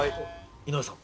井上さん。